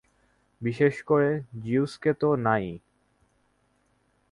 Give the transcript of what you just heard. বিশেষ করে জিউসকে তো না-ই।